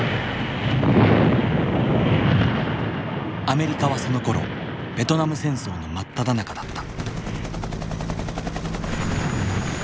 アメリカはそのころベトナム戦争の真っただ中だった。